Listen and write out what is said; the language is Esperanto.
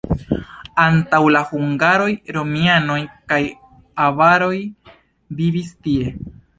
Antaŭ la hungaroj romianoj kaj avaroj vivis tie.